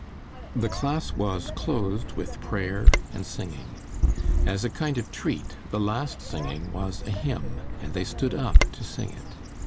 The class was closed with prayer and singing. As a kind of treat, the last singing was a hymn and they stood up to sing it.